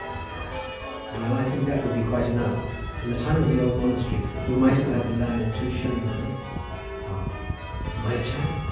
Myself.—Well! I think that would be quite enough. In the time of the old monastery you might have had the land at two shillings an acre. Farmer.—Might I?